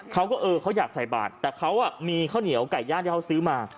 เขาก็เออเขาอยากใส่บาทแต่เขามีข้าวเหนียวไก่ย่างที่เขาซื้อมา